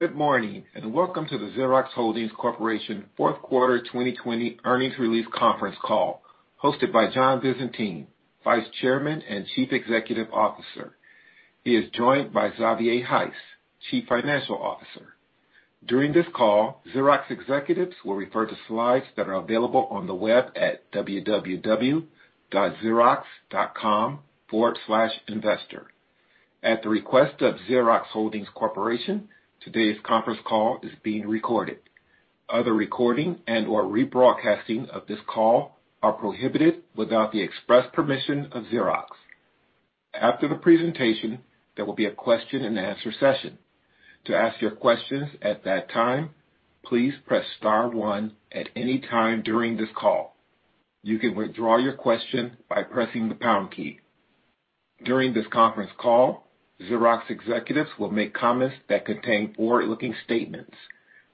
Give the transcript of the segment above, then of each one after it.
Good morning and welcome to the Xerox Holdings Corporation Q4 2020 Earnings Release Conference Call, hosted by John Visentin, Vice Chairman and Chief Executive Officer. He is joined by Xavier Heiss, Chief Financial Officer. During this call, Xerox executives will refer to slides that are available on the web at www.xerox.com/investor. At the request of Xerox Holdings Corporation, today's conference call is being recorded. Other recording and/or rebroadcasting of this call are prohibited without the express permission of Xerox. After the presentation, there will be a question and answer session. To ask your questions at that time, please press star one at any time during this call. You can withdraw your question by pressing the pound key. During this conference call, Xerox executives will make comments that contain forward-looking statements,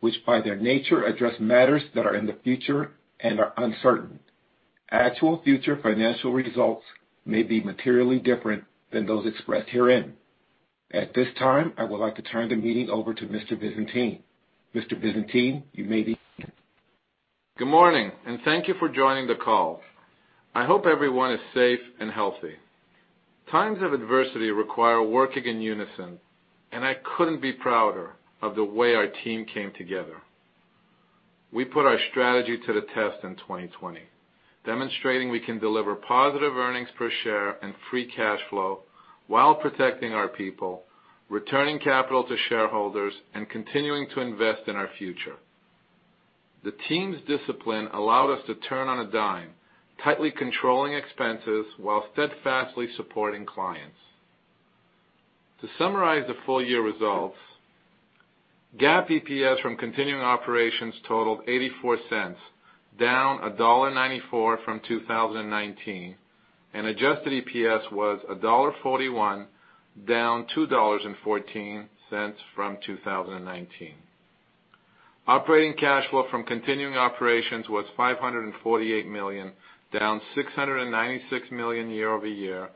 which by their nature address matters that are in the future and are uncertain. Actual future financial results may be materially different than those expressed herein. At this time, I would like to turn the meeting over to Mr. Visentin. Mr. Visentin, you may begin. Good morning and thank you for joining the call. I hope everyone is safe and healthy. Times of adversity require working in unison, and I couldn't be prouder of the way our team came together. We put our strategy to the test in 2020, demonstrating we can deliver positive earnings per share and free cash flow while protecting our people, returning capital to shareholders, and continuing to invest in our future. The team's discipline allowed us to turn on a dime, tightly controlling expenses while steadfastly supporting clients. To summarize the full-year results, GAAP EPS from continuing operations totaled $0.84, down $1.94 from 2019, and adjusted EPS was $1.41, down $2.14 from 2019. Operating cash flow from continuing operations was $548 million, down $696 million year-over-year,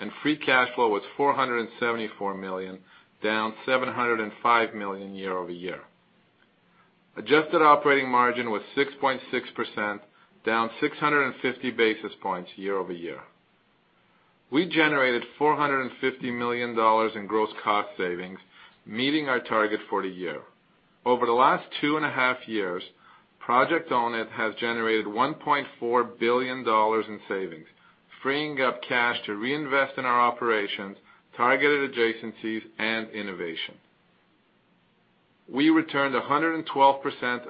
and free cash flow was $474 million, down $705 million year-over-year. Adjusted operating margin was 6.6%, down 650 basis points year-over-year. We generated $450 million in gross cost savings, meeting our target for the year. Over the last two and a half years, Project Own It has generated $1.4 billion in savings, freeing up cash to reinvest in our operations, targeted adjacencies, and innovation. We returned 112%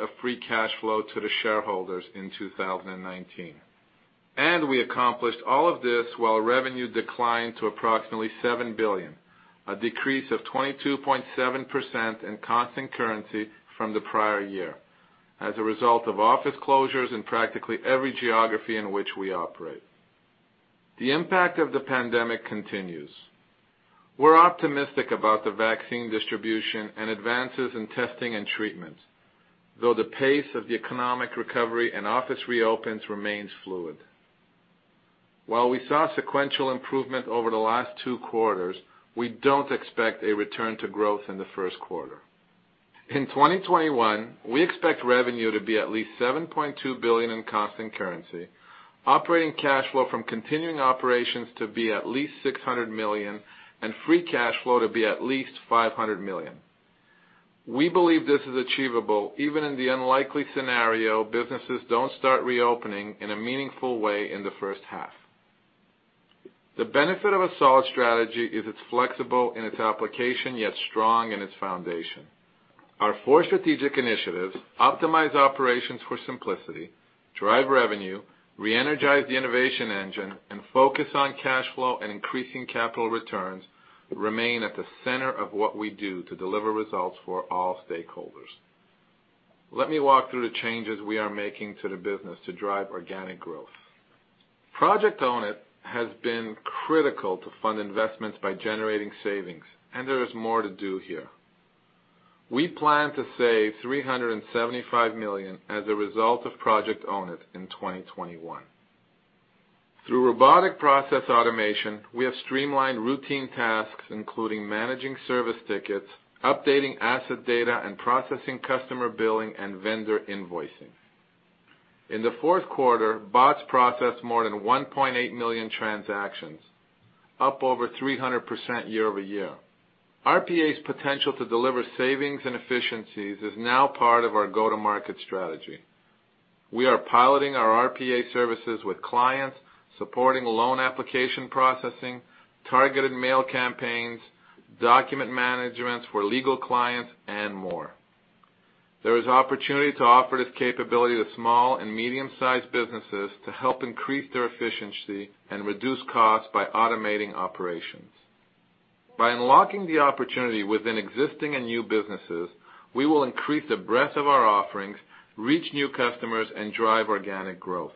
of free cash flow to the shareholders in 2019, and we accomplished all of this while revenue declined to approximately $7 billion, a decrease of 22.7% in constant currency from the prior year, as a result of office closures in practically every geography in which we operate. The impact of the pandemic continues. We're optimistic about the vaccine distribution and advances in testing and treatment, though the pace of the economic recovery and office reopens remains fluid. While we saw sequential improvement over the last two quarters, we don't expect a return to growth in the Q1. In 2021, we expect revenue to be at least $7.2 billion in constant currency, operating cash flow from continuing operations to be at least $600 million, and free cash flow to be at least $500 million. We believe this is achievable even in the unlikely scenario businesses don't start reopening in a meaningful way in the first half. The benefit of a solid strategy is it's flexible in its application, yet strong in its foundation. Our four strategic initiatives optimize operations for simplicity, drive revenue, reenergize the innovation engine, and focus on cash flow and increasing capital returns remain at the center of what we do to deliver results for all stakeholders. Let me walk through the changes we are making to the business to drive organic growth. Project Ownet has been critical to fund investments by generating savings, and there is more to do here. We plan to save $375 million as a result of Project Ownet in 2021. Through robotic process automation, we have streamlined routine tasks including managing service tickets, updating asset data, and processing customer billing and vendor invoicing. In the Q4, BOTS processed more than 1.8 million transactions, up over 300% year-over-year. RPA's potential to deliver savings and efficiencies is now part of our go-to-market strategy. We are piloting our RPA services with clients, supporting loan application processing, targeted mail campaigns, document management for legal clients, and more. There is opportunity to offer this capability to small and medium-sized businesses to help increase their efficiency and reduce costs by automating operations. By unlocking the opportunity within existing and new businesses, we will increase the breadth of our offerings, reach new customers, and drive organic growth.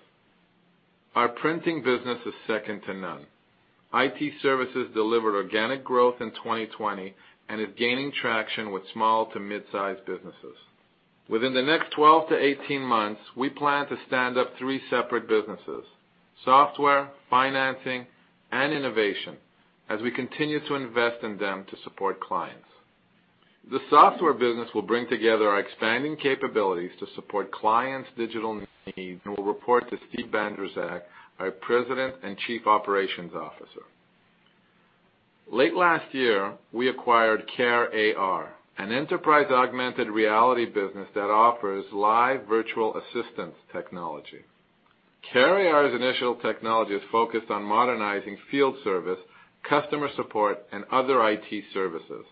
Our printing business is second to none. IT services delivered organic growth in 2020 and is gaining traction with small to mid-sized businesses. Within the next 12 to 18 months, we plan to stand up three separate businesses: software, financing, and innovation, as we continue to invest in them to support clients. The software business will bring together our expanding capabilities to support clients' digital needs and will report to Steve Bandrowczak, our President and Chief Operations Officer. Late last year, we acquired CareAR, an enterprise augmented reality business that offers live virtual assistance technology. CareAR's initial technology is focused on modernizing field service, customer support, and other IT services.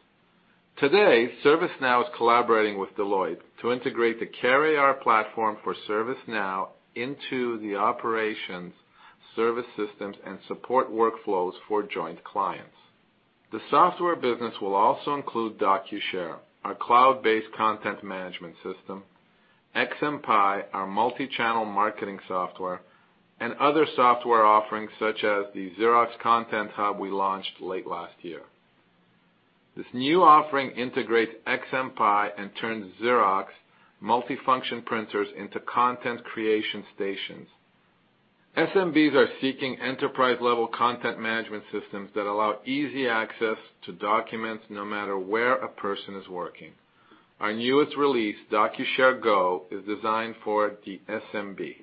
Today, ServiceNow is collaborating with Deloitte to integrate the CareAR platform for ServiceNow into the operations, service systems, and support workflows for joint clients. The software business will also include DocuShare, our cloud-based content management system. XMPie, our multi-channel marketing software. And other software offerings such as the Xerox Content Hub we launched late last year. This new offering integrates XMPie and turns Xerox multi-function printers into content creation stations. SMBs are seeking enterprise-level content management systems that allow easy access to documents no matter where a person is working. Our newest release, DocuShare Go, is designed for the SMB.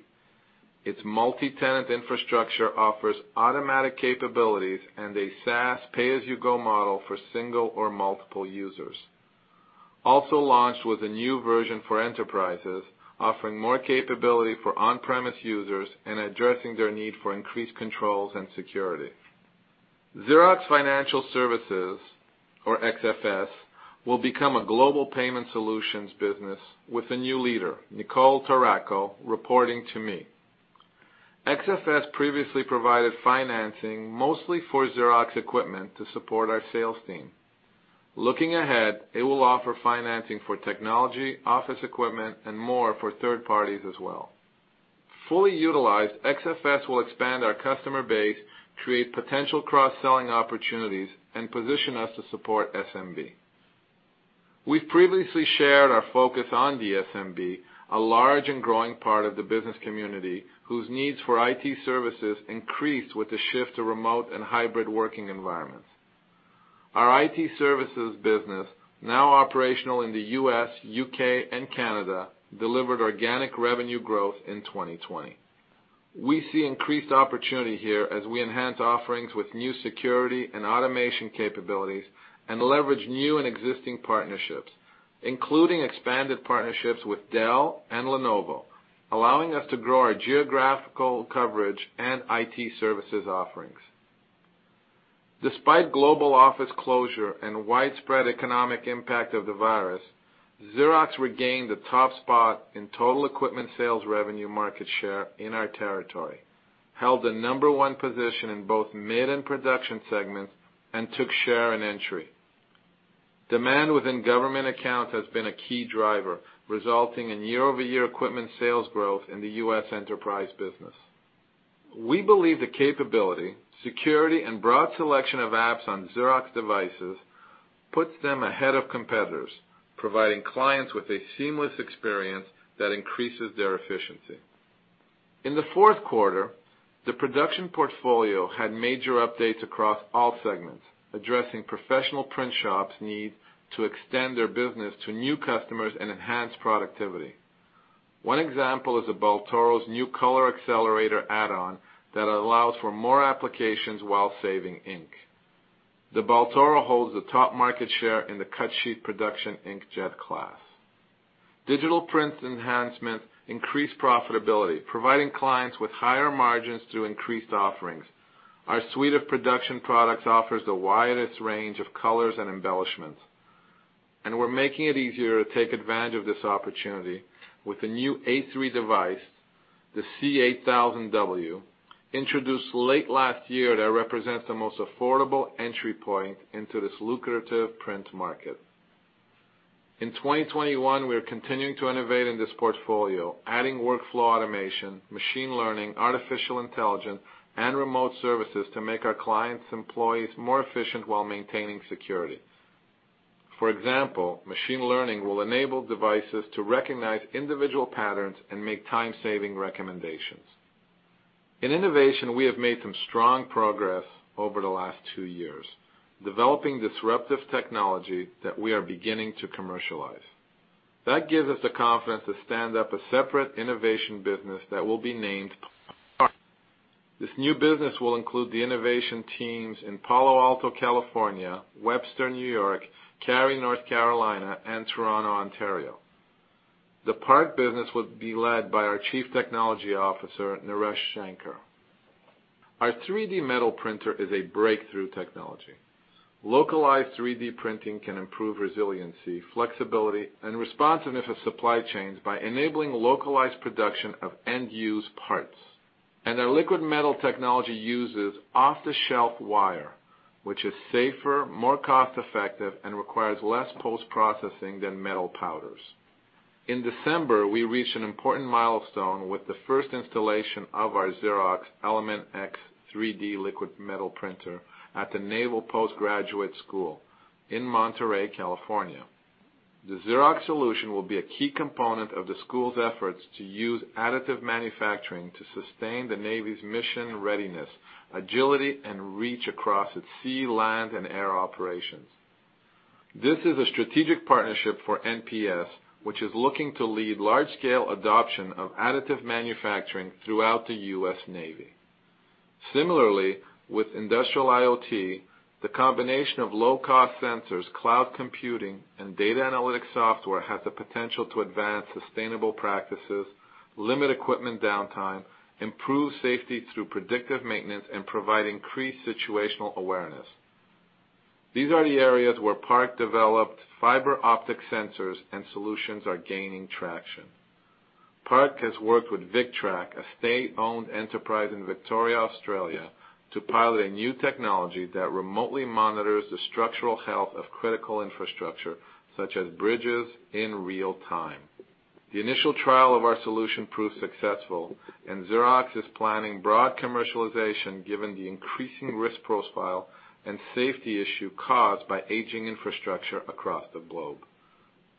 Its multi-tenant infrastructure offers automatic capabilities and a SaaS pay-as-you-go model for single or multiple users. Also launched was a new version for enterprises, offering more capability for on-premise users and addressing their need for increased controls and security. Xerox Financial Services, or XFS, will become a global payment solutions business with a new leader, Nicole Torraco, reporting to me. XFS previously provided financing mostly for Xerox equipment to support our sales team. Looking ahead, it will offer financing for technology, office equipment, and more for third parties as well. Fully utilized, XFS will expand our customer base, create potential cross-selling opportunities, and position us to support SMB. We've previously shared our focus on the SMB, a large and growing part of the business community whose needs for IT services increased with the shift to remote and hybrid working environments. Our IT services business, now operational in the U.S., U.K., and Canada, delivered organic revenue growth in 2020. We see increased opportunity here as we enhance offerings with new security and automation capabilities and leverage new and existing partnerships, including expanded partnerships with Dell and Lenovo, allowing us to grow our geographical coverage and IT services offerings. Despite global office closure and widespread economic impact of the virus, Xerox regained the top spot in total equipment sales revenue market share in our territory, held the number one position in both mid and production segments, and took share and entry. Demand within government accounts has been a key driver, resulting in year-over-year equipment sales growth in the U.S. enterprise business. We believe the capability, security, and broad selection of apps on Xerox devices puts them ahead of competitors, providing clients with a seamless experience that increases their efficiency. In the Q4, the production portfolio had major updates across all segments, addressing professional print shops' need to extend their business to new customers and enhance productivity. One example is the Baltoro's new color accelerator add-on that allows for more applications while saving ink. The Baltoro holds the top market share in the cut sheet production inkjet class. Digital prints enhancements increase profitability, providing clients with higher margins through increased offerings. Our suite of production products offers the widest range of colors and embellishments, and we're making it easier to take advantage of this opportunity with the new A3 device, the C8000W, introduced late last year that represents the most affordable entry point into this lucrative print market. In 2021, we are continuing to innovate in this portfolio, adding workflow automation, machine learning, artificial intelligence, and remote services to make our clients' employees more efficient while maintaining security. For example, machine learning will enable devices to recognize individual patterns and make time-saving recommendations. In innovation, we have made some strong progress over the last two years, developing disruptive technology that we are beginning to commercialize. That gives us the confidence to stand up a separate innovation business that will be named PARC. This new business will include the innovation teams in Palo Alto, California, Webster, New York, Cary, North Carolina, and Toronto, Ontario. The PARC business will be led by our Chief Technology Officer, Naresh Shanker. Our 3D metal printer is a breakthrough technology. Localized 3D printing can improve resiliency, flexibility, and responsiveness of supply chains by enabling localized production of end-use parts. Our liquid metal technology uses off-the-shelf wire, which is safer, more cost-effective, and requires less post-processing than metal powders. In December, we reached an important milestone with the first installation of our Xerox ElemX 3D liquid metal printer at the Naval Postgraduate School in Monterey, California. The Xerox solution will be a key component of the school's efforts to use additive manufacturing to sustain the Navy's mission readiness, agility, and reach across its sea, land, and air operations. This is a strategic partnership for NPS, which is looking to lead large-scale adoption of additive manufacturing throughout the U.S. Navy. Similarly, with industrial IoT, the combination of low-cost sensors, cloud computing, and data analytics software has the potential to advance sustainable practices, limit equipment downtime, improve safety through predictive maintenance, and provide increased situational awareness. These are the areas where PARC-developed fiber optic sensors and solutions are gaining traction. PARC has worked with VicTrack, a state-owned enterprise in Victoria, Australia, to pilot a new technology that remotely monitors the structural health of critical infrastructure, such as bridges, in real time. The initial trial of our solution proved successful, and Xerox is planning broad commercialization given the increasing risk profile and safety issue caused by aging infrastructure across the globe.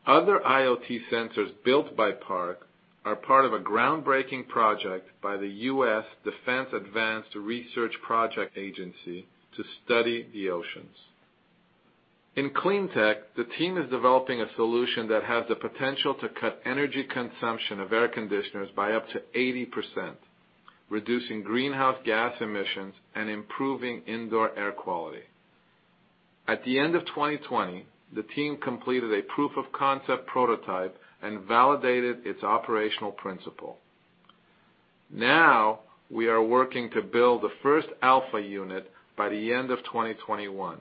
Other IoT sensors built by PARC are part of a groundbreaking project by the U.S. Defense Advanced Research Project Agency to study the oceans. In clean tech, the team is developing a solution that has the potential to cut energy consumption of air conditioners by up to 80%, reducing greenhouse gas emissions and improving indoor air quality. At the end of 2020, the team completed a proof-of-concept prototype and validated its operational principle. Now, we are working to build the first alpha unit by the end of 2021,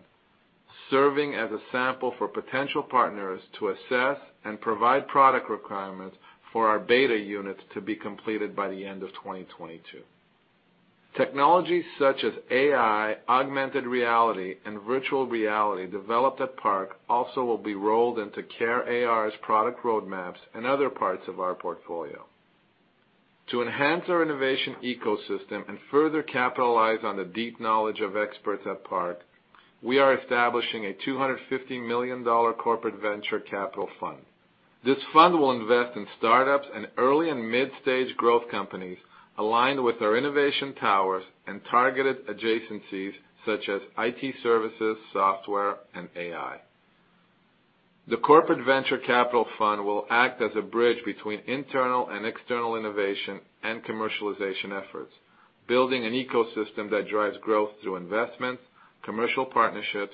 serving as a sample for potential partners to assess and provide product requirements for our beta units to be completed by the end of 2022. Technologies such as AI, augmented reality, and virtual reality developed at PARC also will be rolled into CareAR's product roadmaps and other parts of our portfolio. To enhance our innovation ecosystem and further capitalize on the deep knowledge of experts at PARC, we are establishing a $250 million corporate venture capital fund. This fund will invest in startups and early and mid-stage growth companies aligned with our innovation towers and targeted adjacencies such as IT services, software, and AI. The corporate venture capital fund will act as a bridge between internal and external innovation and commercialization efforts, building an ecosystem that drives growth through investments, commercial partnerships,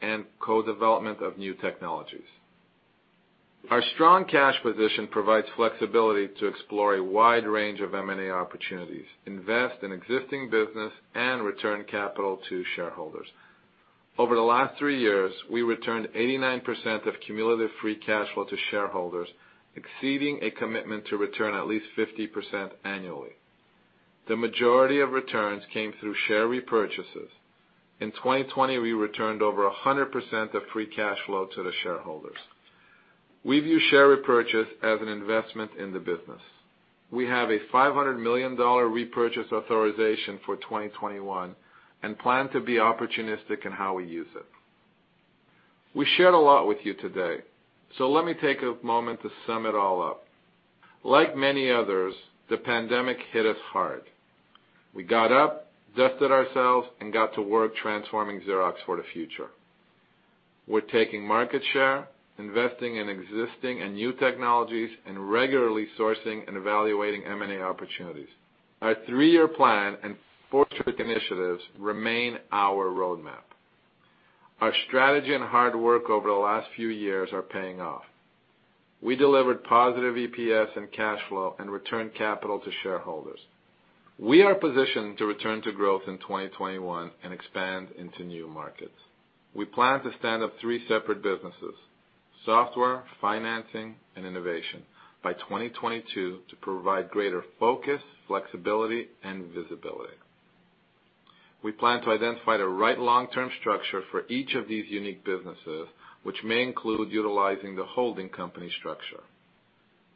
and co-development of new technologies. Our strong cash position provides flexibility to explore a wide range of M&A opportunities, invest in existing business, and return capital to shareholders. Over the last three years, we returned 89% of cumulative free cash flow to shareholders, exceeding a commitment to return at least 50% annually. The majority of returns came through share repurchases. In 2020, we returned over 100% of free cash flow to the shareholders. We view share repurchase as an investment in the business. We have a $500 million repurchase authorization for 2021 and plan to be opportunistic in how we use it. We shared a lot with you today, so let me take a moment to sum it all up. Like many others, the pandemic hit us hard. We got up, dusted ourselves, and got to work transforming Xerox for the future. We're taking market share, investing in existing and new technologies, and regularly sourcing and evaluating M&A opportunities. Our three-year plan and forward-looking initiatives remain our roadmap. Our strategy and hard work over the last few years are paying off. We delivered positive EPS and cash flow and returned capital to shareholders. We are positioned to return to growth in 2021 and expand into new markets. We plan to stand up three separate businesses: software, financing, and innovation by 2022 to provide greater focus, flexibility, and visibility. We plan to identify the right long-term structure for each of these unique businesses, which may include utilizing the holding company structure.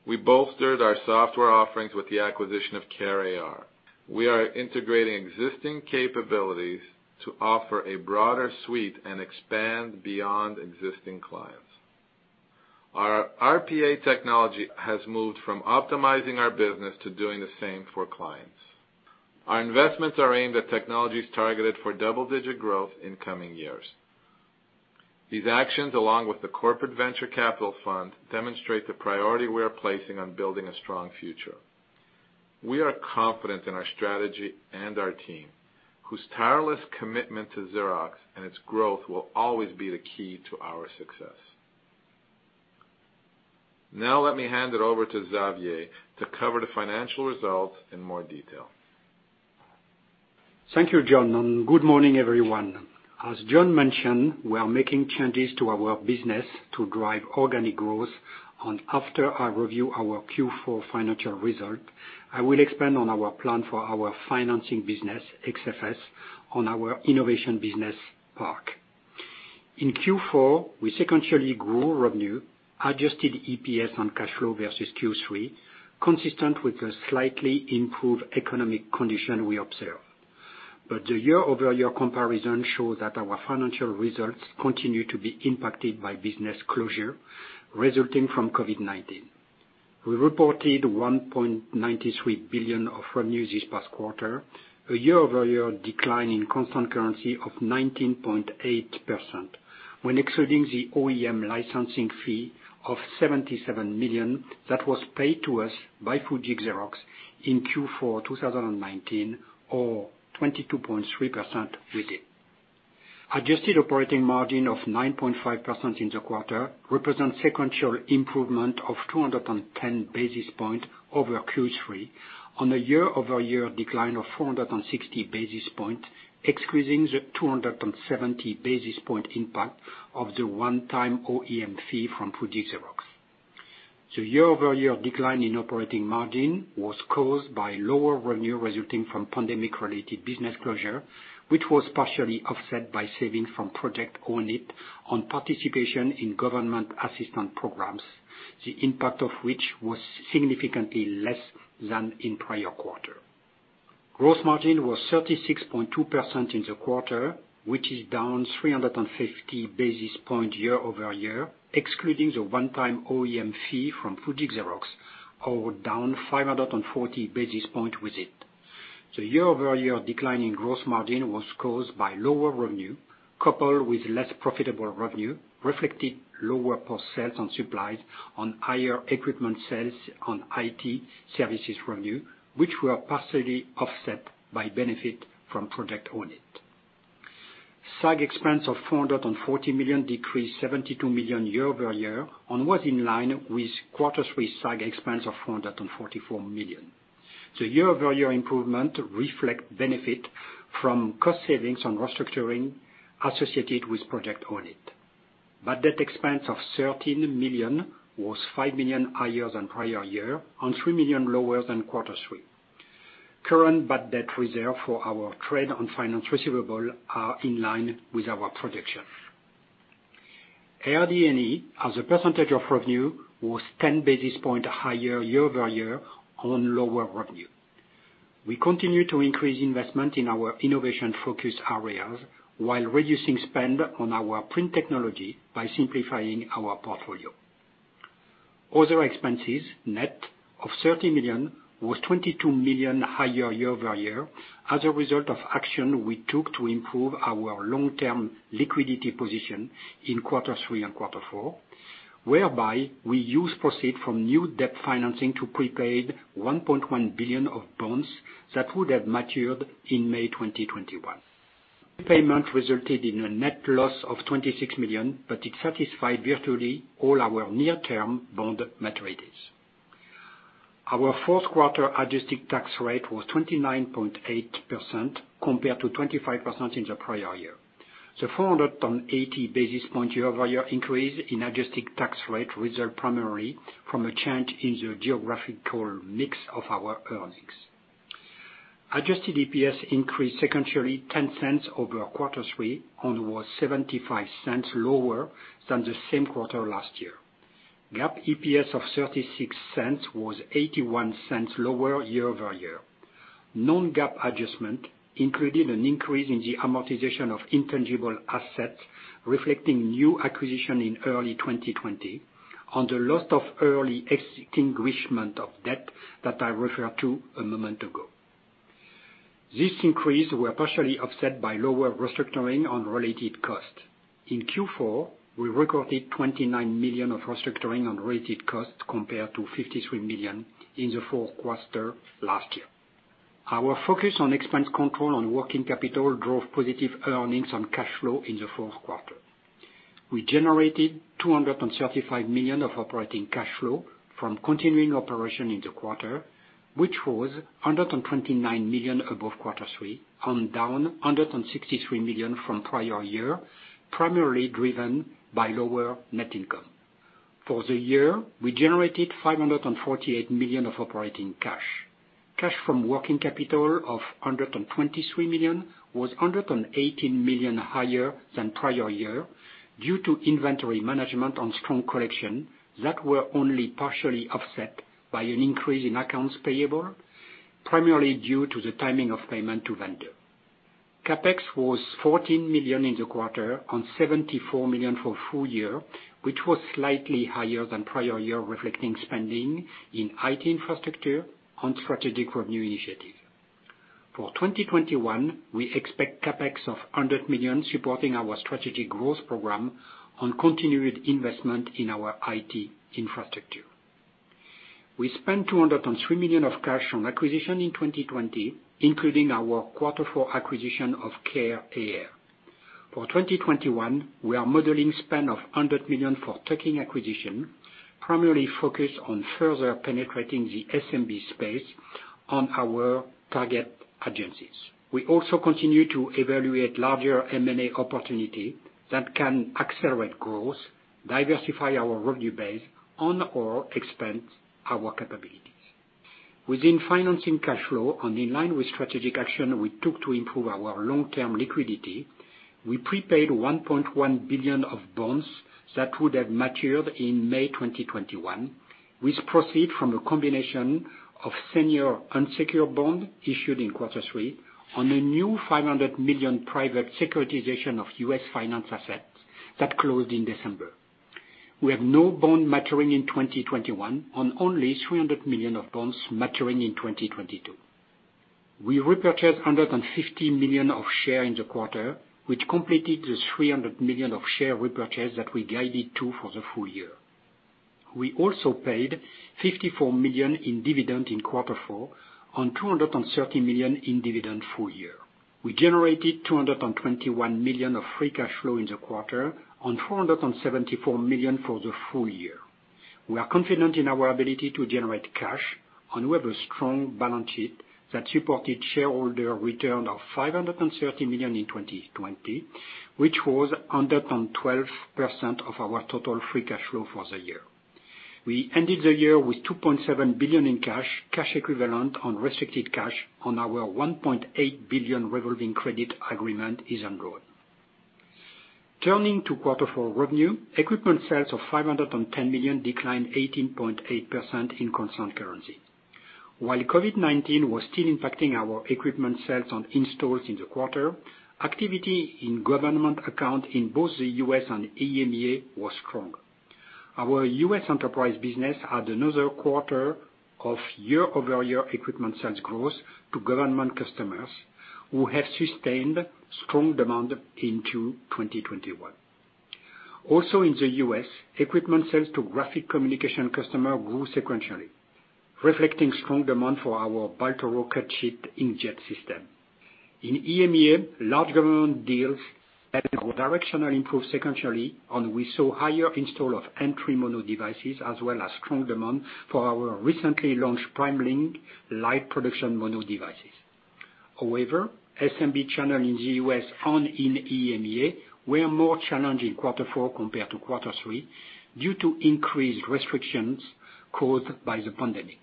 We bolstered our software offerings with the acquisition of CareAR. We are integrating existing capabilities to offer a broader suite and expand beyond existing clients. Our RPA technology has moved from optimizing our business to doing the same for clients. Our investments are aimed at technologies targeted for double-digit growth in coming years. These actions, along with the corporate venture capital fund, demonstrate the priority we are placing on building a strong future. We are confident in our strategy and our team, whose tireless commitment to Xerox and its growth will always be the key to our success. Now, let me hand it over to Xavier to cover the financial results in more detail. Thank you, John, and good morning, everyone. As John mentioned, we are making changes to our business to drive organic growth. After I review our Q4 financial result, I will expand on our plan for our financing business, XFS, on our innovation business, PARC. In Q4, we sequentially grew revenue, adjusted EPS and cash flow versus Q3, consistent with the slightly improved economic condition we observed. But the year-over-year comparison shows that our financial results continue to be impacted by business closure resulting from COVID-19. We reported $1.93 billion of revenues this past quarter, a year-over-year decline in constant currency of 19.8%, when excluding the OEM licensing fee of $77 million that was paid to us by Fuji Xerox in Q4 2019, or 22.3% with it. Adjusted operating margin of 9.5% in the quarter represents sequential improvement of 210 basis points over Q3, on a year-over-year decline of 460 basis points, excluding the 270 basis point impact of the one-time OEM fee from Fuji Xerox. The year-over-year decline in operating margin was caused by lower revenue resulting from pandemic-related business closure, which was partially offset by savings from project ownership on participation in government assistance programs, the impact of which was significantly less than in prior quarter. Gross margin was 36.2% in the quarter, which is down 350 basis points year-over-year, excluding the one-time OEM fee from Fuji Xerox, or down 540 basis points with it. The year-over-year decline in gross margin was caused by lower revenue, coupled with less profitable revenue, reflected lower post-sales and supplies on higher equipment sales on IT services revenue, which were partially offset by benefit from project ownership. SAG expense of $440 million decreased $72 million year-over-year and was in line with quarter-three SAG expense of $444 million. The year-over-year improvement reflects benefit from cost savings on restructuring associated with project ownership. Bad debt expense of $13 million was $5 million higher than prior year and $3 million lower than quarter three. Current bad debt reserve for our trade and finance receivable are in line with our projection. R&D&E, as a percentage of revenue, was 10 basis points higher year-over-year on lower revenue. We continue to increase investment in our innovation-focused areas while reducing spend on our print technology by simplifying our portfolio. Other expenses, net, of $30 million was $22 million higher year-over-year as a result of actions we took to improve our long-term liquidity position in quarter three and quarter four, whereby we used proceeds from new debt financing to prepaid $1.1 billion of bonds that would have matured in May 2021. Prepayment resulted in a net loss of $26 million, but it satisfied virtually all our near-term bond maturities. Our Q4 adjusted tax rate was 29.8% compared to 25% in the prior year. The 480 basis points year-over-year increase in adjusted tax rate resulted primarily from a change in the geographical mix of our earnings. Adjusted EPS increased sequentially $0.10 over quarter three and was $0.75 lower than the same quarter last year. GAAP EPS of $0.36 was $0.81 lower year-over-year. Non-GAAP adjustments included an increase in the amortization of intangible assets, reflecting new acquisitions in early 2020, and the loss on early extinguishment of debt that I referred to a moment ago. These increases were partially offset by lower restructuring and related costs. In Q4, we recorded $29 million of restructuring and related costs compared to $53 million in the Q4 last year. Our focus on expense control and working capital drove positive operating cash flow in the Q4. We generated $235 million of operating cash flow from continuing operations in the quarter, which was $129 million above quarter three and down $163 million from prior year, primarily driven by lower net income. For the year, we generated $548 million of operating cash. Cash from working capital of $123 million was $118 million higher than prior year due to inventory management and strong collections that were only partially offset by an increase in accounts payable, primarily due to the timing of payments to vendors. CAPEX was $14 million in the quarter and $74 million for full year, which was slightly higher than prior year, reflecting spending in IT infrastructure and strategic revenue initiatives. For 2021, we expect CAPEX of $100 million supporting our strategic growth program and continued investment in our IT infrastructure. We spent $203 million of cash on acquisitions in 2020, including our quarter four acquisition of CareAR. For 2021, we are modeling spend of $100 million for tuck-in acquisitions, primarily focused on further penetrating the SMB space in our target geographies. We also continue to evaluate larger M&A opportunities that can accelerate growth, diversify our revenue base, and/or expand our capabilities. Within financing cash flow and in line with strategic action we took to improve our long-term liquidity, we prepaid $1.1 billion of bonds that would have matured in May 2021, with proceeds from a combination of senior unsecured bonds issued in quarter three and a new $500 million private securitization of U.S. finance assets that closed in December. We have no bond maturing in 2021 and only $300 million of bonds maturing in 2022. We repurchased $150 million of shares in the quarter, which completed the $300 million of share repurchase that we guided to for the full year. We also paid $54 million in dividends in quarter four and $230 million in dividends full year. We generated $221 million of free cash flow in the quarter and $474 million for the full year. We are confident in our ability to generate cash and we have a strong balance sheet that supported shareholder return of $530 million in 2020, which was 112% of our total free cash flow for the year. We ended the year with $2.7 billion in cash, cash equivalents and restricted cash on our $1.8 billion revolving credit agreement is undrawn. Turning to quarter four revenue, equipment sales of $510 million declined 18.8% in constant currency. While COVID-19 was still impacting our equipment sales and installs in the quarter, activity in government accounts in both the U.S. and EMEA was strong. Our U.S. enterprise business had another quarter of year-over-year equipment sales growth to government customers who have sustained strong demand in 2021. Also, in the U.S., equipment sales to graphic communication customers grew sequentially, reflecting strong demand for our Baltoro cut sheet inkjet system. In EMEA, large government deals had a directional improvement sequentially, and we saw higher install of entry mono devices as well as strong demand for our recently launched PrimeLink light production mono devices. However, SMB channel in the U.S. and in EMEA were more challenged in quarter four compared to quarter three due to increased restrictions caused by the pandemic.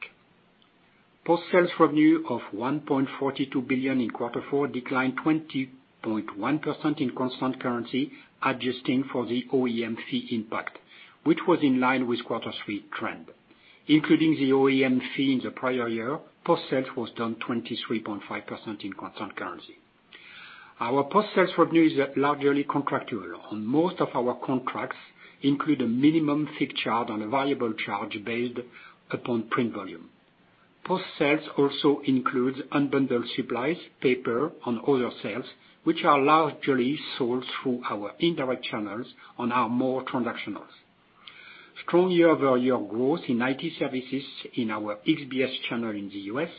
Post-sales revenue of $1.42 billion in quarter four declined 20.1% in constant currency, adjusting for the OEM fee impact, which was in line with quarter three trend. Including the OEM fee in the prior year, post-sales was down 23.5% in constant currency. Our post-sales revenue is largely contractual, and most of our contracts include a minimum fixed charge and a variable charge based upon print volume. Post-sales also includes unbundled supplies, paper, and other sales, which are largely sold through our indirect channels and are more transactional. Strong year-over-year growth in IT services in our XBS channel in the U.S.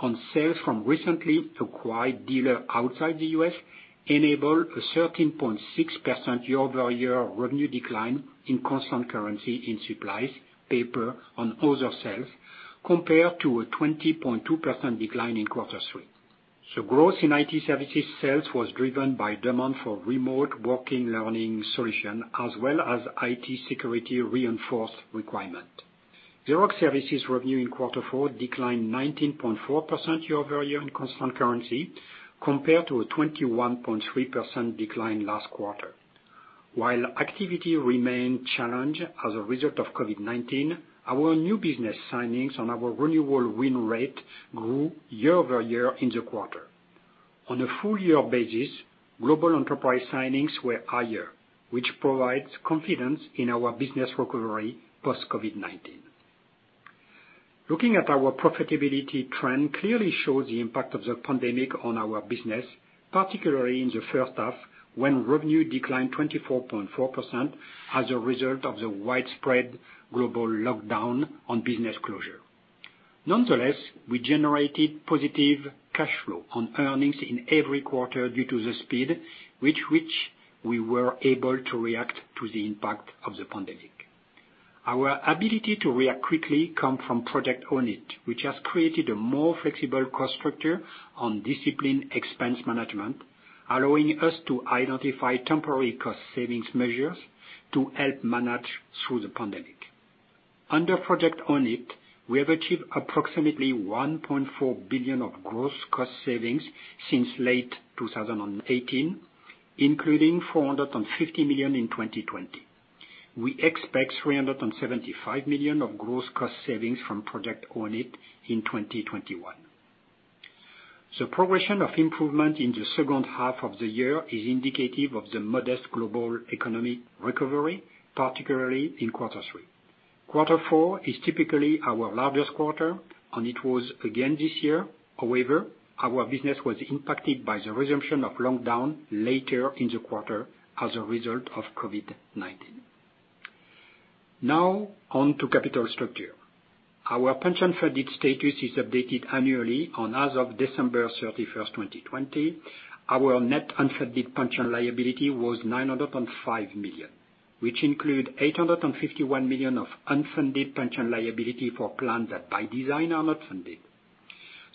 and sales from recently acquired dealers outside the U.S. enabled a 13.6% year-over-year revenue decline in constant currency in supplies, paper, and other sales compared to a 20.2% decline in quarter three. The growth in IT services sales was driven by demand for remote working learning solutions as well as IT security reinforced requirement. Xerox services revenue in quarter four declined 19.4% year-over-year in constant currency compared to a 21.3% decline last quarter. While activity remained challenged as a result of COVID-19, our new business signings and our renewal win rate grew year-over-year in the quarter. On a full-year basis, global enterprise signings were higher, which provides confidence in our business recovery post-COVID-19. Looking at our profitability trend clearly shows the impact of the pandemic on our business, particularly in the first half when revenue declined 24.4% as a result of the widespread global lockdown and business closure. Nonetheless, we generated positive cash flow and earnings in every quarter due to the speed with which we were able to react to the impact of the pandemic. Our ability to react quickly comes from project ownership, which has created a more flexible cost structure and disciplined expense management, allowing us to identify temporary cost savings measures to help manage through the pandemic. Under project ownership, we have achieved approximately $1.4 billion of gross cost savings since late 2018, including $450 million in 2020. We expect $375 million of gross cost savings from project ownership in 2021. The progression of improvement in the second half of the year is indicative of the modest global economic recovery, particularly in quarter three. Quarter four is typically our largest quarter, and it was again this year. However, our business was impacted by the resumption of lockdown later in the quarter as a result of COVID-19. Now, on to capital structure. Our pension-funded status is updated annually, and as of December 31st, 2020, our net unfunded pension liability was $905 million, which includes $851 million of unfunded pension liability for plans that by design are not funded.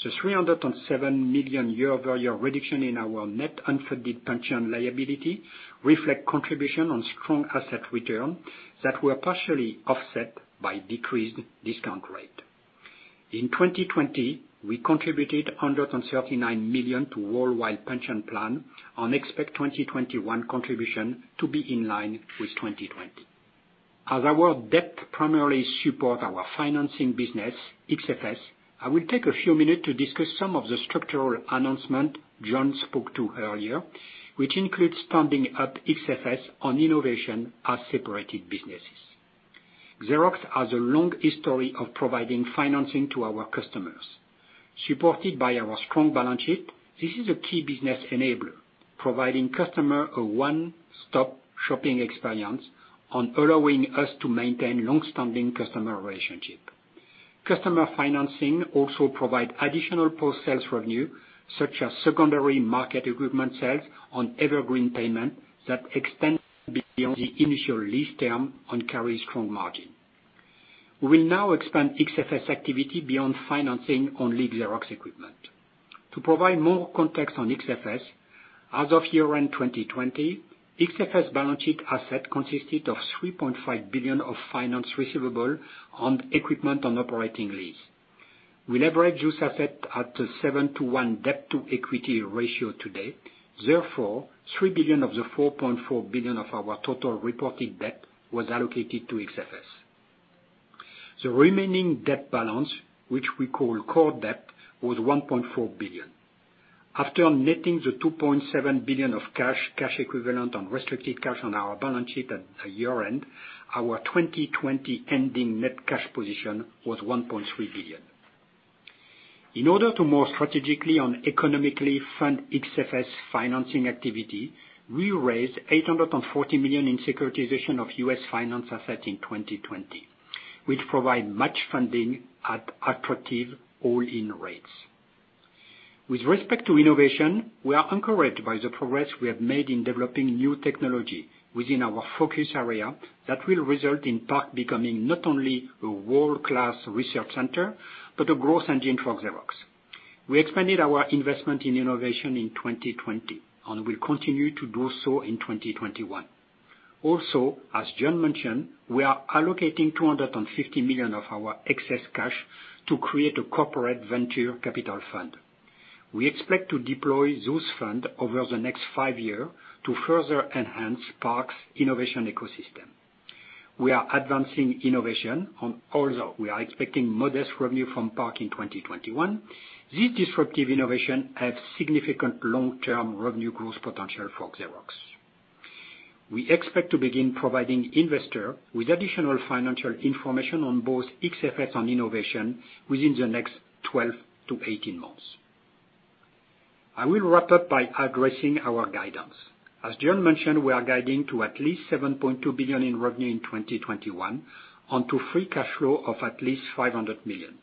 The $307 million year-over-year reduction in our net unfunded pension liability reflects contribution on strong asset return that were partially offset by decreased discount rate. In 2020, we contributed $139 million to Worldwide Pension Plan and expect 2021 contribution to be in line with 2020. As our debt primarily supports our financing business, XFS, I will take a few minutes to discuss some of the structural announcements John spoke to earlier, which include standing up XFS and innovation as separated businesses. Xerox has a long history of providing financing to our customers. Supported by our strong balance sheet, this is a key business enabler, providing customers a one-stop shopping experience and allowing us to maintain long-standing customer relationships. Customer financing also provides additional post-sales revenue, such as secondary market equipment sales and evergreen payment that extend beyond the initial lease term and carry strong margin. We will now expand XFS activity beyond financing only Xerox equipment. To provide more context on XFS, as of year-end 2020, XFS balance sheet asset consisted of $3.5 billion of finance receivable and equipment on operating lease. We leverage US asset at a 7:1 debt-to-equity ratio today. Therefore, $3 billion of the $4.4 billion of our total reported debt was allocated to XFS. The remaining debt balance, which we call core debt, was $1.4 billion. After netting the $2.7 billion of cash, cash equivalent, and restricted cash on our balance sheet at the year-end, our 2020 ending net cash position was $1.3 billion. In order to more strategically and economically fund XFS financing activity, we raised $840 million in securitization of U.S. finance assets in 2020, which provides much funding at attractive all-in rates. With respect to innovation, we are encouraged by the progress we have made in developing new technology within our focus area that will result in part becoming not only a world-class research center but a growth engine for Xerox. We expanded our investment in innovation in 2020 and will continue to do so in 2021. Also, as John mentioned, we are allocating $250 million of our excess cash to create a corporate venture capital fund. We expect to deploy those funds over the next five years to further enhance PARC's innovation ecosystem. We are advancing innovation, and although we are expecting modest revenue from PARC in 2021, these disruptive innovations have significant long-term revenue growth potential for Xerox. We expect to begin providing investors with additional financial information on both XFS and innovation within the next 12-18 months. I will wrap up by addressing our guidance. As John mentioned, we are guiding to at least $7.2 billion in revenue in 2021 and to free cash flow of at least $500 million.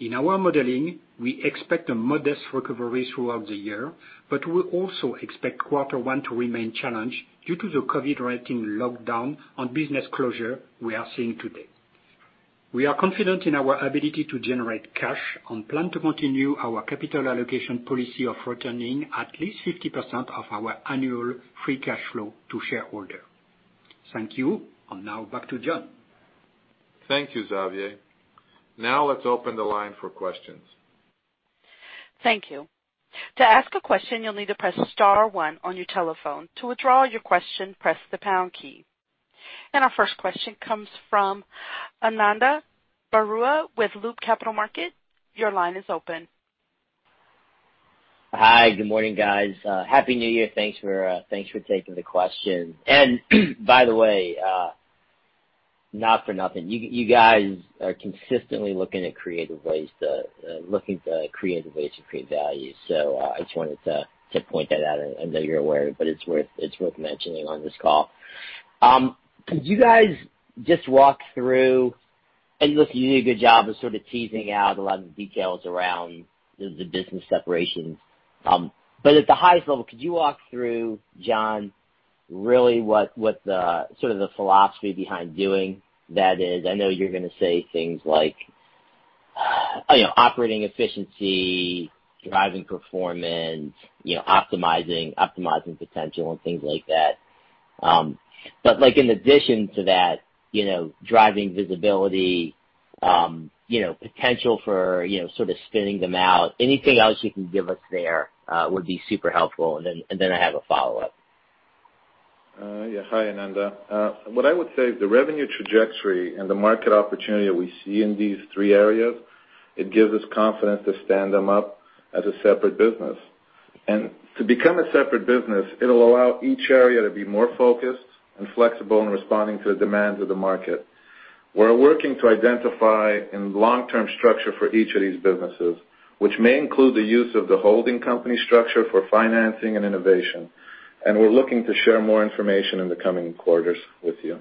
In our modeling, we expect a modest recovery throughout the year, but we also expect quarter one to remain challenged due to the COVID-related lockdown and business closure we are seeing today. We are confident in our ability to generate cash and plan to continue our capital allocation policy of returning at least 50% of our annual free cash flow to shareholders. Thank you, and now back to John. Thank you, Xavier. Now, let's open the line for questions. Thank you. To ask a question, you'll need to press star one on your telephone. To withdraw your question, press the pound key. Our first question comes from Ananda Baruah with Loop Capital Markets. Your line is open. Hi. Good morning, guys. Happy New Year. Thanks for taking the question. And by the way, not for nothing. You guys are consistently looking at creative ways to create value. So I just wanted to point that out. I know you're aware, but it's worth mentioning on this call. Could you guys just walk through and listen, you did a good job of sort of teasing out a lot of the details around the business separations. But at the highest level, could you walk through, John, really what sort of the philosophy behind doing that is? I know you're going to say things like operating efficiency, driving performance, optimizing potential, and things like that. But in addition to that, driving visibility, potential for sort of spinning them out, anything else you can give us there would be super helpful. And then I have a follow-up. Yeah. Hi, Ananda. What I would say is the revenue trajectory and the market opportunity that we see in these three areas, it gives us confidence to stand them up as a separate business. And to become a separate business, it'll allow each area to be more focused and flexible in responding to the demands of the market. We're working to identify a long-term structure for each of these businesses, which may include the use of the holding company structure for financing and innovation. And we're looking to share more information in the coming quarters with you.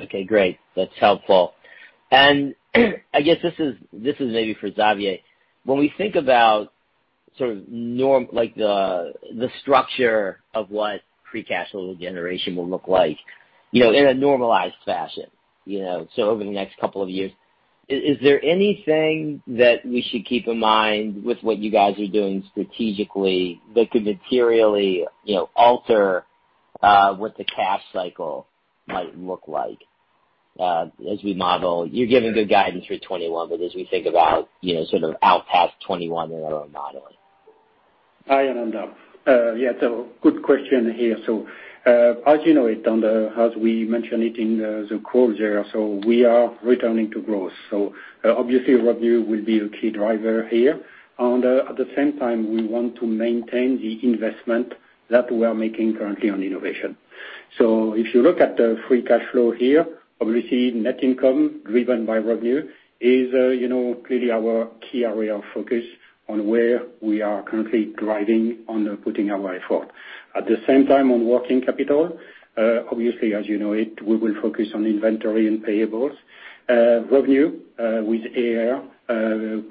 Okay. Great. That's helpful. And I guess this is maybe for Xavier. When we think about sort of the structure of what free cash flow generation will look like in a normalized fashion, so over the next couple of years, is there anything that we should keep in mind with what you guys are doing strategically that could materially alter what the cash cycle might look like as we model? You're giving good guidance for 2021, but as we think about sort of out past 2021 in our modeling. Hi, Ananda. Yeah. So good question here. So as you know, it and as we mentioned it in the call there, so we are returning to growth. So obviously, revenue will be a key driver here. And at the same time, we want to maintain the investment that we are making currently on innovation. So if you look at the free cash flow here, obviously, net income driven by revenue is clearly our key area of focus on where we are currently driving on putting our effort. At the same time, on working capital, obviously, as you know it, we will focus on inventory and payables. Revenue with AR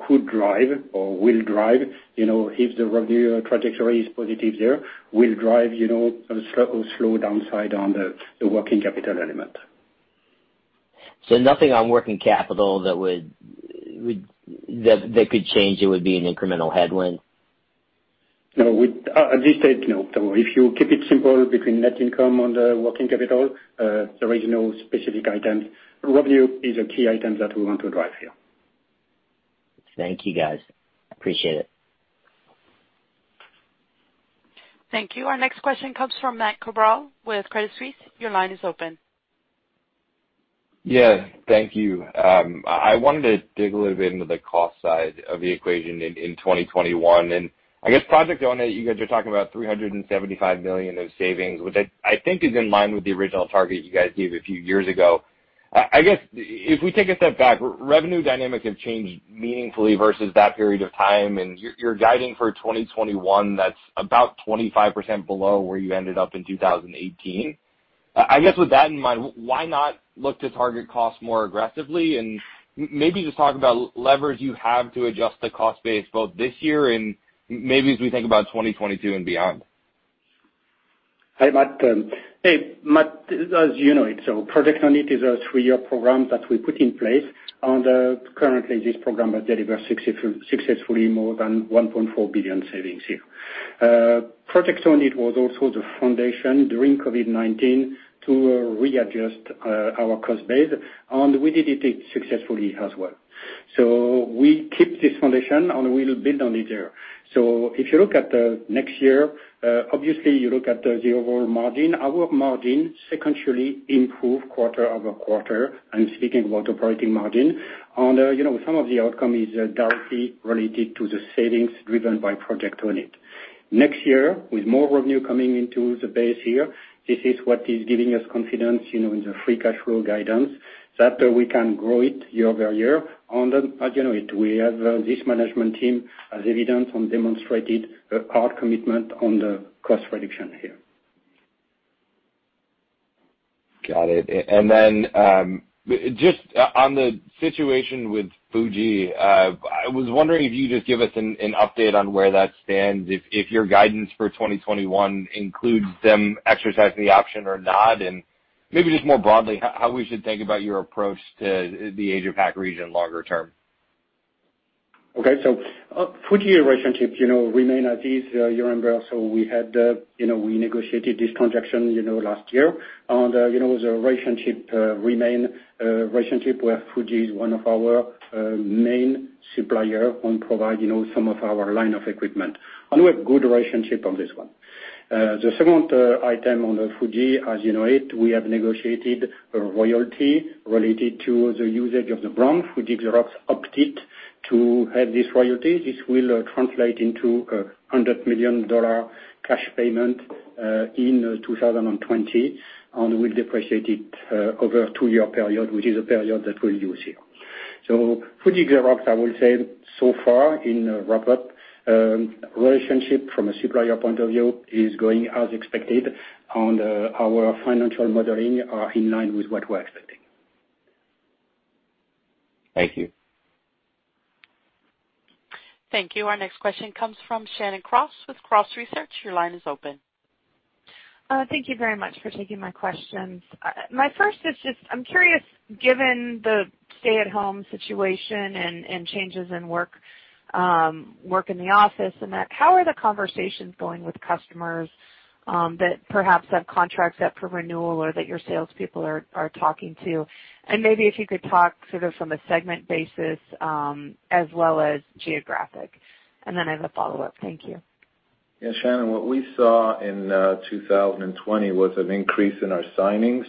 could drive or will drive if the revenue trajectory is positive there, will drive a slow downside on the working capital element. So nothing on working capital that could change that would be an incremental headwind? No. At this stage, no. So if you keep it simple between net income and the working capital, there is no specific item. Revenue is a key item that we want to drive here. Thank you, guys. Appreciate it. Thank you. Our next question comes from Matt Cabral with Credit Suisse. Your line is open. Yes. Thank you. I wanted to dig a little bit into the cost side of the equation in 2021. And I guess project owner, you guys are talking about $375 million of savings, which I think is in line with the original target you guys gave a few years ago. I guess if we take a step back, revenue dynamics have changed meaningfully versus that period of time. And you're guiding for 2021 that's about 25% below where you ended up in 2018. I guess with that in mind, why not look to target costs more aggressively and maybe just talk about levers you have to adjust the cost base both this year and maybe as we think about 2022 and beyond? Hi, Matt. Hey, Matt. As you know, so Project OneIt is a three-year program that we put in place. And currently, this program has delivered successfully more than $1.4 billion savings here. Project OneIt was also the foundation during COVID-19 to readjust our cost base, and we did it successfully as well. So we keep this foundation, and we'll build on it here. So if you look at the next year, obviously, you look at the overall margin. Our margin secondarily improved quarter-over-quarter. I'm speaking about operating margin. Some of the outcome is directly related to the savings driven by project on it. Next year, with more revenue coming into the base here, this is what is giving us confidence in the free cash flow guidance that we can grow it year over year. As you know, we have this management team as evidence and demonstrated a hard commitment on the cost reduction here. Got it. Then just on the situation with Fuji, I was wondering if you could just give us an update on where that stands, if your guidance for 2021 includes them exercising the option or not, and maybe just more broadly, how we should think about your approach to the Asia-Pac region longer term. Okay. Fuji relationship remained as is, you remember. So we had negotiated this transaction last year, and the relationship remained where Fuji is one of our main suppliers and provides some of our line of equipment. And we have good relationship on this one. The second item on the Fuji, as you know it, we have negotiated a royalty related to the usage of the brand. Fuji Xerox opted to have this royalty. This will translate into a $100 million cash payment in 2020, and we'll depreciate it over a two-year period, which is a period that we'll use here. So Fuji Xerox, I will say so far in wrap-up, relationship from a supplier point of view is going as expected, and our financial modeling are in line with what we're expecting. Thank you. Thank you. Our next question comes from Shannon Cross with Cross Research. Your line is open. Thank you very much for taking my questions. My first is just I'm curious, given the stay-at-home situation and changes in work in the office and that, how are the conversations going with customers that perhaps have contracts up for renewal or that your salespeople are talking to? And maybe if you could talk sort of from a segment basis as well as geographic. And then I have a follow-up. Thank you. Yeah. Shannon, what we saw in 2020 was an increase in our signings,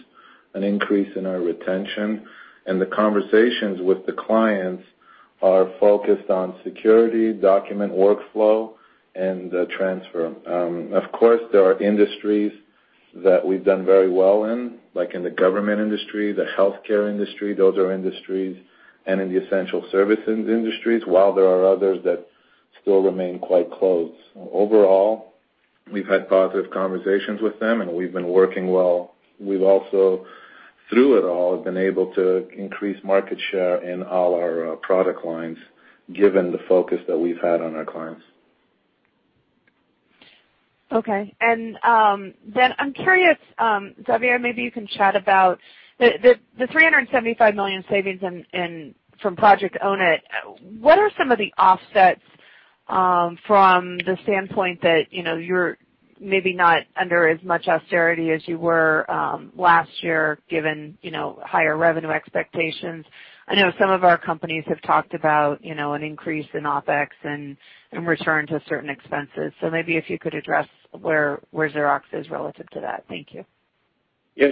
an increase in our retention, and the conversations with the clients are focused on security, document workflow, and transfer. Of course, there are industries that we've done very well in, like in the government industry, the healthcare industry, those are industries, and in the essential services industries, while there are others that still remain quite closed. Overall, we've had positive conversations with them, and we've been working well. We've also, through it all, been able to increase market share in all our product lines, given the focus that we've had on our clients. Okay. And then I'm curious, Xavier, maybe you can chat about the $375 million savings from project owner. What are some of the offsets from the standpoint that you're maybe not under as much austerity as you were last year, given higher revenue expectations? I know some of our companies have talked about an increase in OPEX and return to certain expenses. So maybe if you could address where Xerox is relative to that. Thank you. Yes.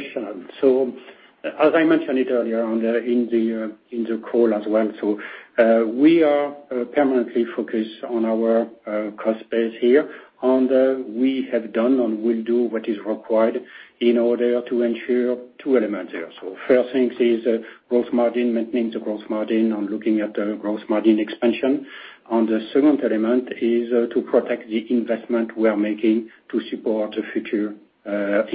So, as I mentioned it earlier in the call as well, so we are permanently focused on our cost base here, and we have done and will do what is required in order to ensure two elements here. So, first thing is gross margin, maintaining the gross margin and looking at the gross margin expansion. And the second element is to protect the investment we are making to support the future of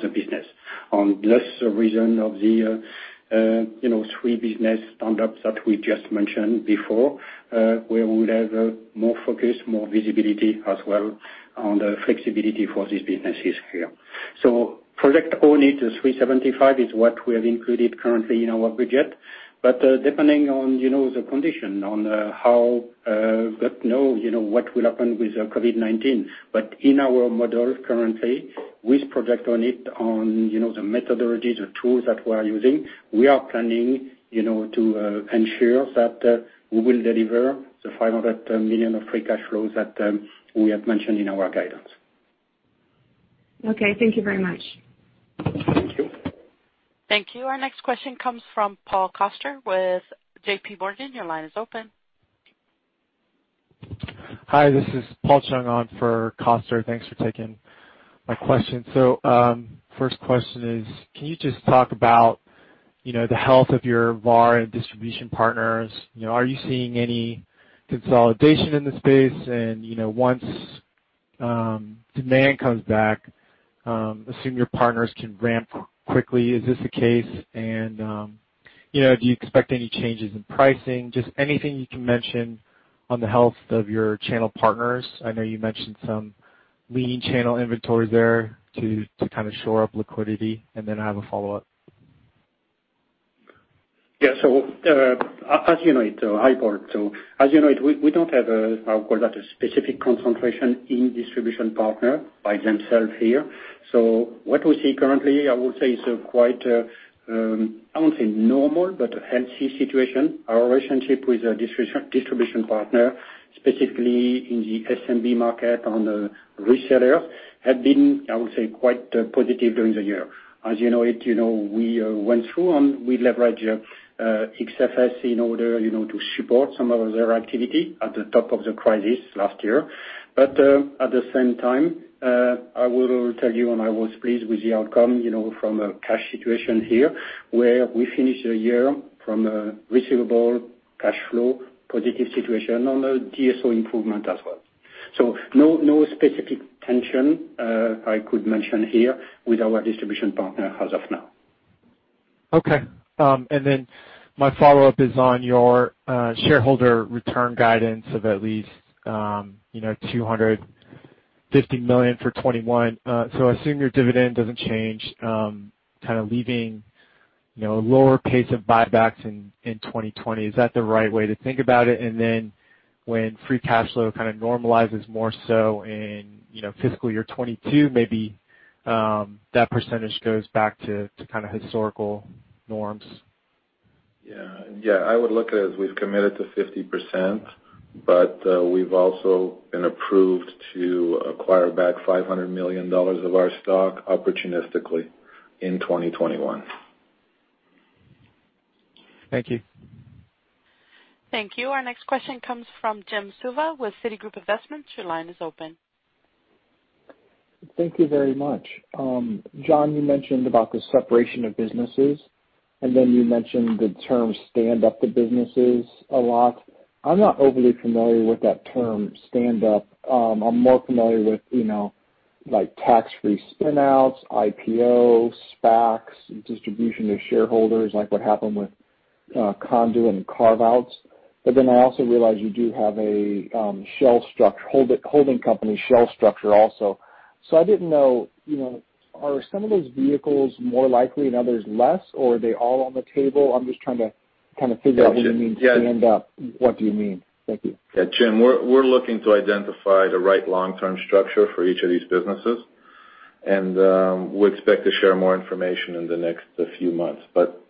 the business. And that's the reason of the three business stand-ups that we just mentioned before, where we'll have more focus, more visibility as well, and flexibility for these businesses here. So, project on it, the $375, is what we have included currently in our budget. But depending on the condition and how we know what will happen with COVID-19, but in our model currently, with project on it and the methodologies, the tools that we are using, we are planning to ensure that we will deliver the $500 million of free cash flows that we have mentioned in our guidance. Okay. Thank you very much. Thank you. Thank you. Our next question comes from Paul Coster with JP Morgan. Your line is open. Hi. This is Paul Chung on for Coster. Thanks for taking my question. So first question is, can you just talk about the health of your VAR and distribution partners? Are you seeing any consolidation in the space? And once demand comes back, assume your partners can ramp quickly. Is this the case? And do you expect any changes in pricing? Just anything you can mention on the health of your channel partners. I know you mentioned some lean channel inventory there to kind of shore up liquidity. And then I have a follow-up. Yeah. So as you know, it's a high part. So as you know, we don't have what we call a specific concentration in distribution partner. By themselves here. So what we see currently, I will say, is quite, I won't say normal, but a healthy situation. Our relationship with the distribution partner, specifically in the SMB market and resellers, have been, I will say, quite positive during the year. As you know it, we went through and we leveraged XFS in order to support some of their activity at the top of the crisis last year. But at the same time, I will tell you I was pleased with the outcome from a cash situation here where we finished the year from a receivable cash flow positive situation on a DSO improvement as well. So no specific tension I could mention here with our distribution partner as of now. Okay. And then my follow-up is on your shareholder return guidance of at least $250 million for 2021. So assume your dividend doesn't change, kind of leaving a lower pace of buybacks in 2020. Is that the right way to think about it? And then when free cash flow kind of normalizes more so in fiscal year 2022, maybe that percentage goes back to kind of historical norms. Yeah. Yeah. I would look at it as we've committed to 50%, but we've also been approved to acquire back $500 million of our stock opportunistically in 2021. Thank you. Thank you. Our next question comes from Jim Suva with Citigroup. Your line is open. Thank you very much. John, you mentioned about the separation of businesses, and then you mentioned the term stand-up of businesses a lot. I'm not overly familiar with that term stand-up. I'm more familiar with tax-free spinouts, IPOs, SPACs, distribution to shareholders, like what happened with Conduent and carve-outs. But then I also realize you do have a holding company shell structure also. So I didn't know, are some of those vehicles more likely and others less, or are they all on the table? I'm just trying to kind of figure out what you mean stand-up. What do you mean? Thank you. Yeah. Jim, we're looking to identify the right long-term structure for each of these businesses, and we expect to share more information in the next few months. But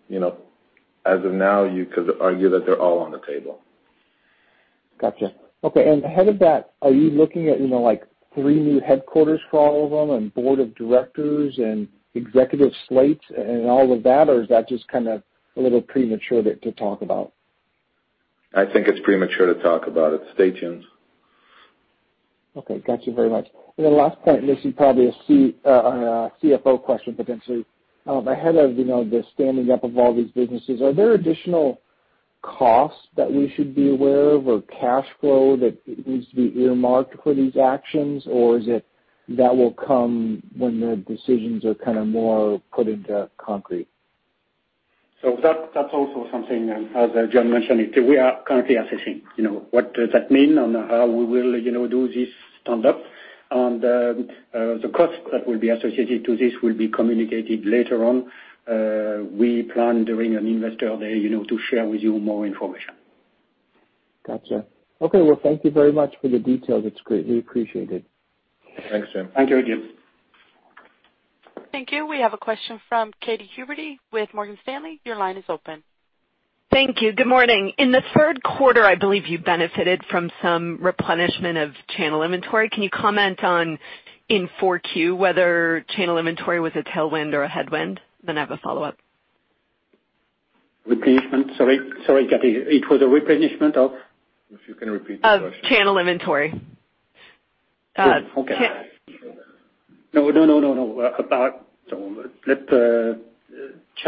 as of now, you could argue that they're all on the table. Gotcha. Okay. And ahead of that, are you looking at three new headquarters for all of them and board of directors and executive slates and all of that, or is that just kind of a little premature to talk about? I think it's premature to talk about it. Stay tuned. Okay. Got you very much. And then last point, this is probably a CFO question potentially. Ahead of the standing up of all these businesses, are there additional costs that we should be aware of or cash flow that needs to be earmarked for these actions, or is it that will come when the decisions are kind of more put into concrete? So that's also something, as John mentioned, we are currently assessing what does that mean and how we will do this stand-up. The cost that will be associated to this will be communicated later on. We plan during an investor day to share with you more information. Gotcha. Okay. Well, thank you very much for the details. It's greatly appreciated. Thanks, Jim. Thank you, Jim. Thank you. We have a question from Katy Huberty with Morgan Stanley. Your line is open. Thank you. Good morning. In the Q3, I believe you benefited from some replenishment of channel inventory. Can you comment on in 4Q whether channel inventory was a tailwind or a headwind? Then I have a follow-up. Repeatment. Sorry. Sorry, Katie. It was a replenishment of? If you can repeat the question. Channel inventory. Okay. No, no, no, no,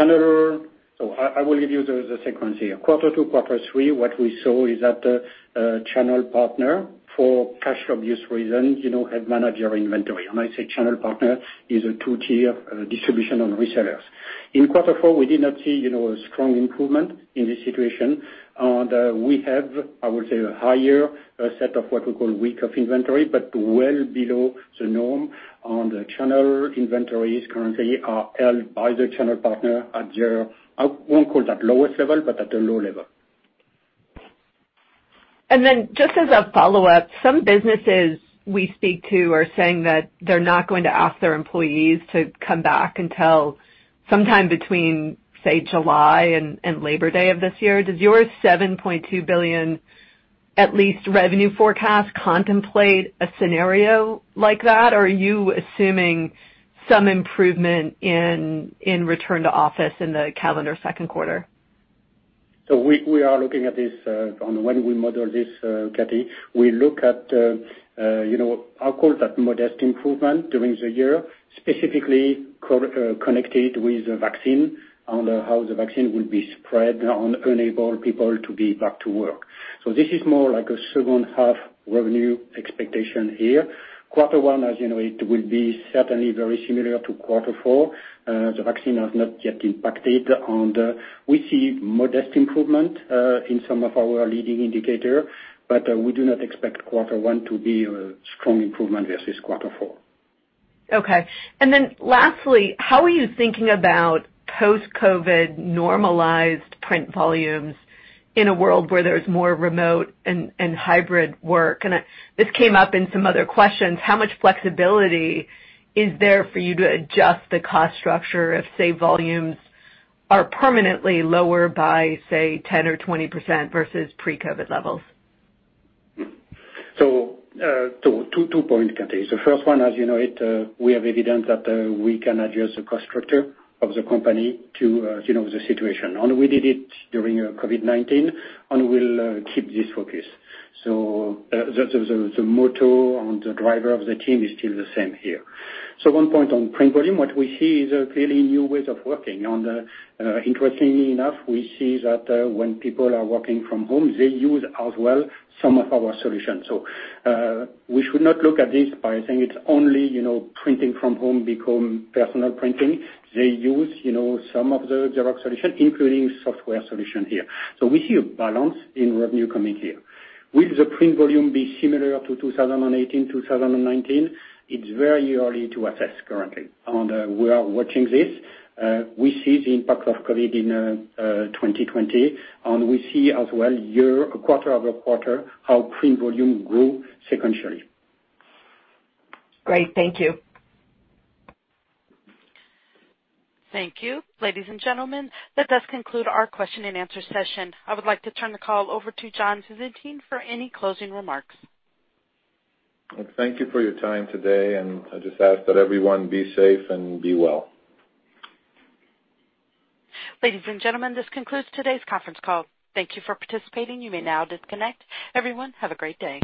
no. So I will give you the sequence here. Quarter two, quarter three, what we saw is that channel partner, for cash preservation reasons, had managed inventory. I say channel partner is a two-tier distribution and resellers. In quarter four, we did not see a strong improvement in this situation. We have, I will say, a higher set of what we call weeks of inventory, but well below the norm. The channel inventories currently are held by the channel partner at their, I won't call that lowest level, but at a low level. Then just as a follow-up, some businesses we speak to are saying that they're not going to ask their employees to come back until sometime between, say, July and Labor Day of this year. Does your $7.2 billion at least revenue forecast contemplate a scenario like that, or are you assuming some improvement in return to office in the calendar Q2? So we are looking at this, and when we model this, Katie, we look at, I'll call that modest improvement during the year, specifically connected with the vaccine and how the vaccine will be spread and enable people to be back to work. So this is more like a second-half revenue expectation here. Quarter one, as you know, it will be certainly very similar to quarter four. The vaccine has not yet impacted, and we see modest improvement in some of our leading indicators, but we do not expect quarter one to be a strong improvement versus quarter four. Okay. And then lastly, how are you thinking about post-COVID normalized print volumes in a world where there's more remote and hybrid work? And this came up in some other questions. How much flexibility is there for you to adjust the cost structure if, say, volumes are permanently lower by, say, 10% or 20% versus pre-COVID levels? So two points, Katie. So first one, as you know it, we have evidence that we can adjust the cost structure of the company to the situation. And we did it during COVID-19, and we'll keep this focus. So the motto and the driver of the team is still the same here. So one point on print volume, what we see is clearly new ways of working. And interestingly enough, we see that when people are working from home, they use as well some of our solutions. So we should not look at this by saying it's only printing from home become personal printing. They use some of the Xerox solution, including software solution here. So we see a balance in revenue coming here. Will the print volume be similar to 2018, 2019? It's very early to assess currently. And we are watching this. We see the impact of COVID in 2020, and we see as well year-over-year quarter-over-quarter how print volume grew sequentially. Great. Thank you. Thank you, ladies and gentlemen. That does conclude our question and answer session. I would like to turn the call over to John Visentin for any closing remarks. Thank you for your time today, and I just ask that everyone be safe and be well. Ladies and gentlemen, this concludes today's conference call. Thank you for participating. You may now disconnect. Everyone, have a great day.